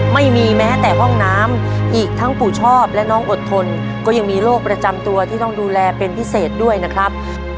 ไม่มีแม้แต่ห้องน้ำอีกทั้งปู่ชอบและน้องอดทนก็ยังมีโรคประจำตัวที่ต้องดูแลเป็นพิเศษด้วยนะครับ